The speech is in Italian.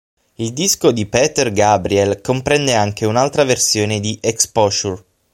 Il disco di Peter Gabriel comprende anche un'altra versione di "Exposure".